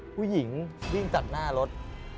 ผู้หญิงวิ่งตัดหน้ารถ